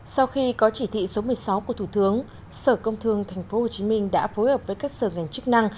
sau khi có chỉ thị số một mươi sáu của thủ tướng sở công thương tp hcm đã phối hợp với các sở ngành chức năng